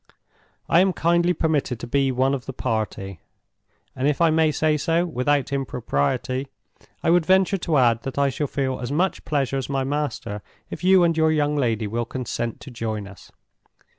I am kindly permitted to be one of the party; and if I may say so without impropriety, I would venture to add that I shall feel as much pleasure as my master if you and your young lady will consent to join us.